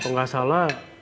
kau gak salah